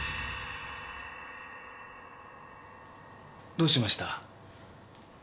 「」どうしました？